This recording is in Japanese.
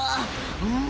うん！